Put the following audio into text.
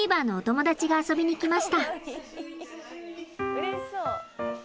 うれしそう！